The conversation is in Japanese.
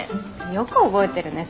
よく覚えてるね